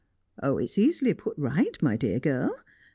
"It's easily put right, my dear girl.